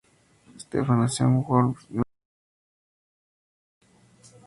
Stephan nació en Worms, Gran Ducado de Hesse.